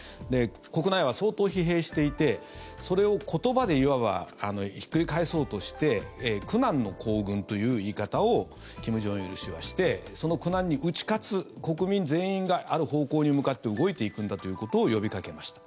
国内は相当、疲弊していてそれを言葉でいわばひっくり返そうとして苦難の行軍という言い方を金正日氏はしてその苦難に打ち勝つ国民全員がある方向に向かって動いていくんだということを呼びかけました。